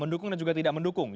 mendukung dan juga tidak mendukung